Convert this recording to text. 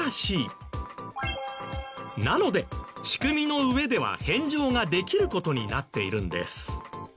なので仕組みの上では返上ができる事になっているんです。